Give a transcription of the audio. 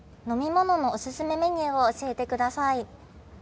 飲み物のオススメメニューを教えてください。